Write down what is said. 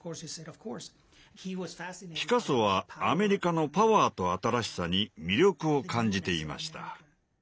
ピカソはアメリカのパワーと新しさに魅力を感じていました。